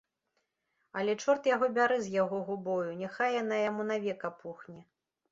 Але чорт яго бяры з яго губою, няхай яна яму навек апухне.